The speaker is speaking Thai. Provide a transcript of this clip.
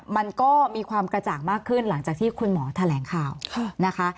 มันก็มีความกระจ่างมากขึ้นหลังจากที่คุณหมอแถลงข่าวนะคะ